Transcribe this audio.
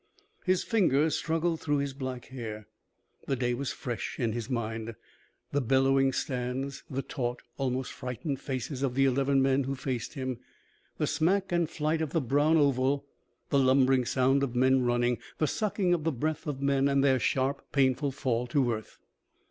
His fingers struggled through his black hair. The day was fresh in his mind the bellowing stands, the taut, almost frightened faces of the eleven men who faced him, the smack and flight of the brown oval, the lumbering sound of men running, the sucking of the breath of men and their sharp, painful fall to earth.